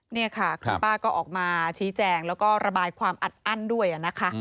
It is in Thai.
นี่ค่ะคุณป้าก็ออกมาชี้แจงแล้วก็ระบายความอัดอั้นด้วยนะคะ